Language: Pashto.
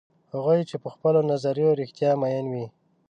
هغوی چې په خپلو نظریو رښتیا میین وي.